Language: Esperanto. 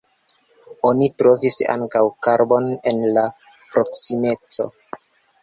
Oni trovis ankaŭ karbon en la proksimeco.